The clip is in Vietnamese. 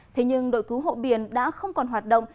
thế nhưng đội cứu hộ biển đã không còn hoạt động